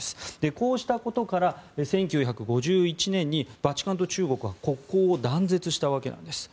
こうしたことから１９５１年にバチカンと中国は国交を断絶したわけです。